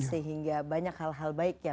sehingga banyak hal hal baik ya